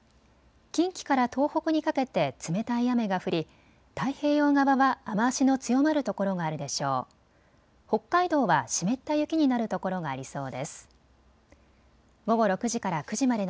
近畿から東北にかけて冷たい雨が降り太平洋側は雨足の強まる所があるでしょう。